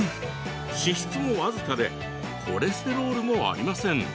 脂質も僅かでコレステロールもありません。